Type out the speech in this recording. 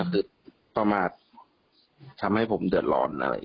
ก็คือต่อมาทำให้ผมเดือดร้อน